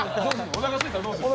おなかすいたらどうする？